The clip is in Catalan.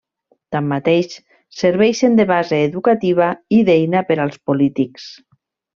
Tanmateix, serveixen de base educativa i d'eina per als polítics.